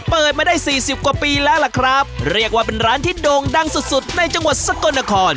เปิดมาได้สี่สิบกว่าปีแล้วล่ะครับเรียกว่าเป็นร้านที่โด่งดังสุดสุดในจังหวัดสกลนคร